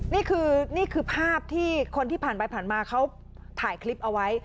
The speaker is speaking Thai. นี่คือนี่คือภาพที่คนที่ผ่านไปผ่านมาเขาถ่ายคลิปเอาไว้